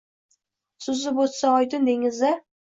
Suzib o’tsa oydin dengizda